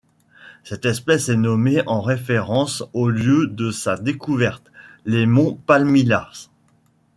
Cette espèce est nommée en référence au lieu de sa découverte, les monts Palmillas.